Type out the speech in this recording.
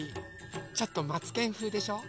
ちょっとマツケンふうでしょう？